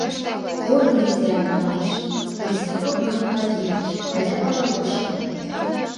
— Порылийза, — манеш, — Христофор Бонифатьевич, айда палубышко.